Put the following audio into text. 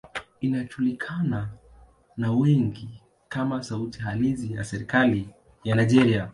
Inajulikana na wengi kama sauti halisi ya serikali ya Nigeria.